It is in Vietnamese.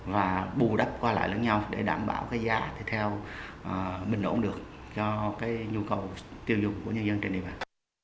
và bù đắp qua lại lẫn nhau để đảm bảo da theo mình ổn được cho nhu cầu tiêu dụng của nhân dân trên địa bàn